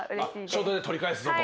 書道で取り返すぞと。